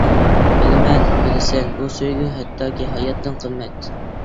بىلىمەن، بىلىسەن بۇ سۆيگۈ ھەتتاكى ھاياتتىن قىممەت!